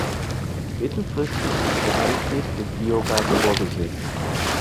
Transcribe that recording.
Mittelfristig ist der Antrieb mit Biogas vorgesehen.